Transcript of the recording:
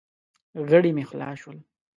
غړي مې خلاص شول.